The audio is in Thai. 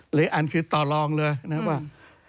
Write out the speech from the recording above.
หรืออันคือต่อลองเลยนะครับว่า